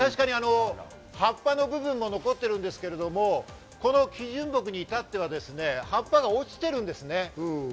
葉っぱの部分も残ってるんですけれども、基準木にいたっては、葉っぱが落ちてるんですね。